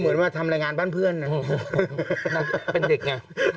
โอ๊ยร้องเจ้าอาจารย์เนี่ย